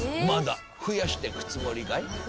まだ増やしていくつもりかい？